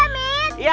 satu dua tiga